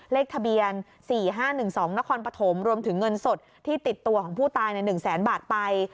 เลขทะเบียน๔๕๑๒นครปฐมรวมถึงเงินสดที่ติดตัวของผู้ตายใน๑แสนบาทไป